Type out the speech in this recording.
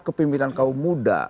kepimpinan kaum muda